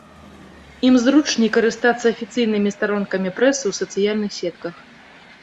Ім зручней карыстацца афіцыйнымі старонкамі прэсы ў сацыяльных сетках.